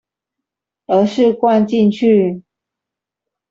而是灌進去